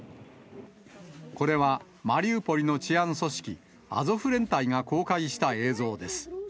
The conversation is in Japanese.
これは、マリウポリの治安組織、アゾフ連隊が公開した映像です。